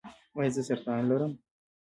ایا زه سرطان لرم؟